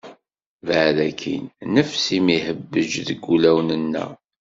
Baɛed akin! Nnefs-im ihebbej deg wulawen-nneɣ.